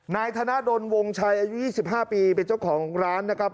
นายธนดลวงชัยอายุ๒๕ปีเป็นเจ้าของร้านนะครับ